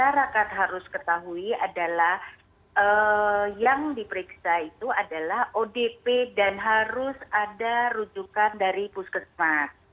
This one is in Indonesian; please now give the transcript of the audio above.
masyarakat harus ketahui adalah yang diperiksa itu adalah odp dan harus ada rujukan dari puskesmas